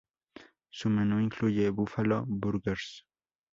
Su menú incluye buffalo burgers.